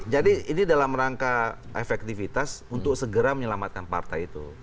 jadi ini dalam rangka efektivitas untuk segera menyelamatkan partai itu